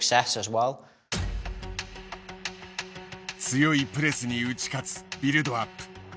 強いプレスに打ち勝つビルドアップ。